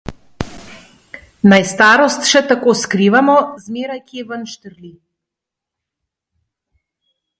Naj starost še tako skrivamo, zmeraj kje ven štrli.